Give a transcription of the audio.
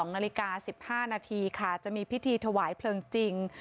๒นาฬิกา๑๕นาทีค่ะจะมีพิธีถวายเพลิงจริง